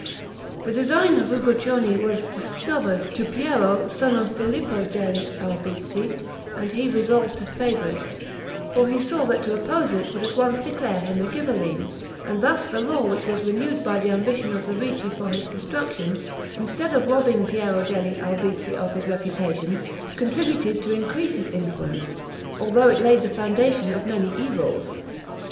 The design of Uguccione was discovered to Piero son of Filippo degli Albizzi, and he resolved to favor it: for he saw that to oppose it would at once declare him a Ghibelline; and thus the law which was renewed by the ambition of the Ricci for his destruction, instead of robbing Piero degli Albizzi of reputation, contributed to increase his influence, although it laid the foundation of many evils.